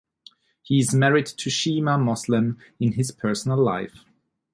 He is married to Sheema Moslem in his personal life.